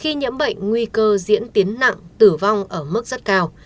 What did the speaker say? khi nhiễm bệnh nguy cơ diễn tiến nặng tử vong ở mức rất cao